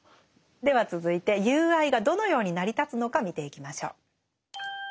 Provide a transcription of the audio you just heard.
では続いて友愛がどのように成り立つのか見ていきましょう。